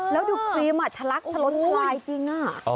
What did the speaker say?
แล้วดูครีมแหละหลากมันลดไล้จริงน่ะ